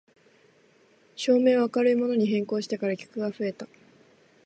照明を明るいものに変更してから客が増えた